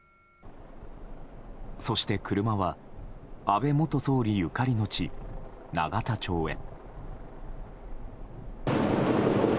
そして車は安倍元総理ゆかりの地永田町へ。